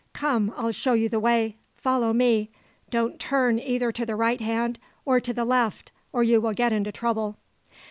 Come, I'll show you the way; follow me. Don't turn either to the right hand or to the left, or you will get into trouble!"